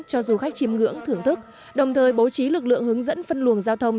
cho du khách chìm ngưỡng thưởng thức đồng thời bố trí lực lượng hướng dẫn phân luồng giao thông